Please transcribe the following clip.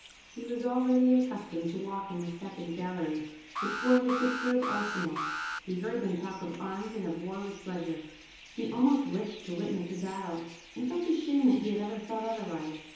He was already accustomed to walk in a second gallery, which formed a superb arsenal; he heard them talk of arms and of war with pleasure; he almost wished to witness a battle, and felt ashamed he had ever thought otherwise.